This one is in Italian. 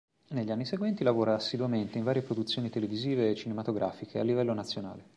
Negli anni seguenti lavora assiduamente in varie produzioni televisive e cinematografiche a livello nazionale.